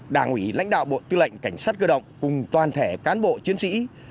lãnh đạo bộ tư lệnh cảnh sát cơ động cùng toàn thể cán bộ chiến sĩ